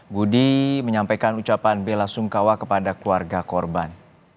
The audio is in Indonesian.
budi menyampaikan ucapan bela sungkawa kepada keluarga korban